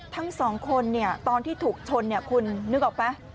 ทั้งสองคนเนี่ยตอนที่ถูกชนเนี่ยคุณนึกออกปะ